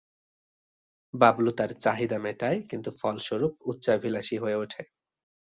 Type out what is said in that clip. বাবলু তার চাহিদা মেটায়, কিন্তু ফলস্বরূপ উচ্চাভিলাষী হয়ে ওঠে।